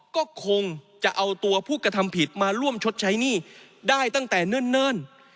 ก็คงจะเอาตัวผู้กระทำผิดมาร่วมชดใช้หนี้ได้ตั้งแต่เนิ่น